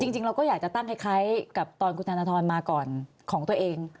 จริงเราก็อยากจะตั้งคล้ายกับตอนคุณธนทรมาก่อนของตัวเอง